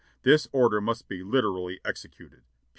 "This order must be literally executed.